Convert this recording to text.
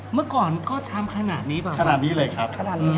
เมื่อก่อนก็ชามขนาดนี้ป่ะครับขนาดนี้เลยครับ